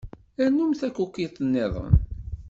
Rnumt takukit-nniḍen.